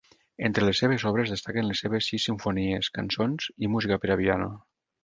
Entre les seves obres destaquen les seves sis simfonies, cançons i música per a piano.